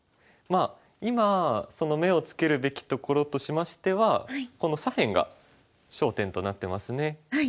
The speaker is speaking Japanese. まあ今目をつけるべきところとしましてはこの左辺が焦点となってますね。